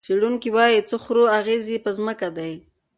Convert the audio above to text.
څېړونکي وايي، څه خورو، اغېز یې پر ځمکه دی.